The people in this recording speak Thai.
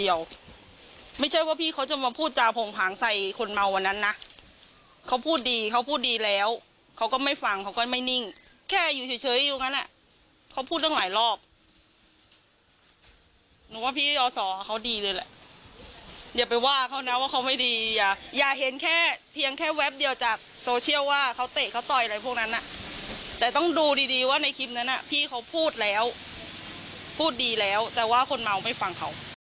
อย่าเห็นเพียงแค่แวบเดียวจากโซเชียลว่าเขาเตะเขาต่อยอะไรพวกนั้นแต่ต้องดูดีว่าในคลิปนั้นพี่เขาพูดแล้วพูดดีแล้วแต่ว่าคนเมาไม่ฟังเขา